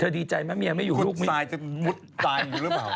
เธอดีใจมั้ยเมียไม่อยู่ลูกมีคุณซายจะมุดตายอยู่หรือเปล่า